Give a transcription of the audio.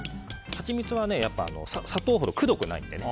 ハチミツは砂糖ほどくどくないのでね。